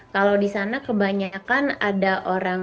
kalau di sana kebanyakan ada orang